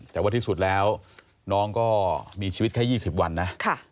แต่ว่าที่สุดแล้วน้องก็มีชีวิตแค่๒๐วันนะ